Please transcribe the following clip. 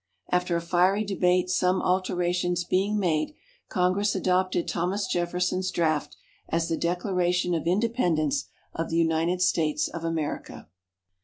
After a fiery debate, some alterations being made, Congress adopted Thomas Jefferson's draft, as the Declaration of Independence of the United States of America.